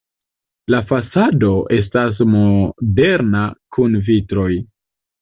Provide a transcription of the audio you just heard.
La fasado estas moderna kun vitroj.